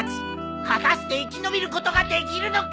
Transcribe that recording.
果たして生き延びることができるのか！？